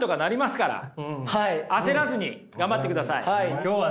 今日はね